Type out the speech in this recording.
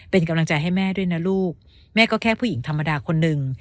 เป็นกำลังใจให้แม่ด้วยนะลูกแม่ก็แค่ผู้หญิงธรรมดาคนหนึ่ง